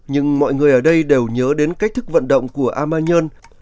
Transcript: nhưng mọi người ở đây đều nhớ đến cách thức vận động của a ma nhơn